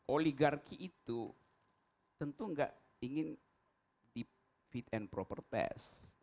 oligarki itu tentu nggak ingin di fit and proper test